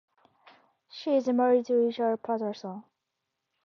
She is married to Richard Patterson.